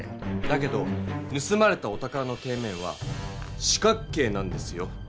だけどぬすまれたお宝の底面は四角形なんですよ。